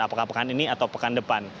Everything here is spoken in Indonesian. apakah pekan ini atau pekan depan